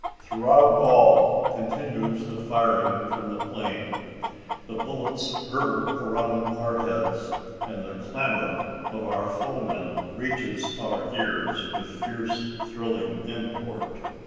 Throughout all continues the firing from the plain; the bullets hurtle around our heads, and the clamour of our foemen reaches our ears with fierce thrilling import.